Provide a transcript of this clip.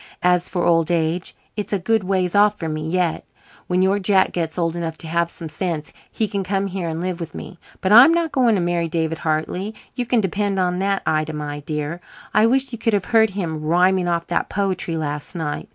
"As for old age, it's a good ways off for me yet. When your Jack gets old enough to have some sense he can come here and live with me. But I'm not going to marry David Hartley, you can depend on that, Ida, my dear. I wish you could have heard him rhyming off that poetry last night.